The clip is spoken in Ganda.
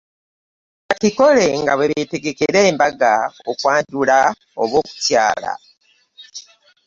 Bakikole nga bwe beetegekera embaga, okwanjula oba okukyala